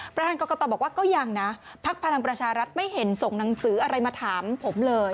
ประธานกรกตบอกว่าก็ยังนะพักพลังประชารัฐไม่เห็นส่งหนังสืออะไรมาถามผมเลย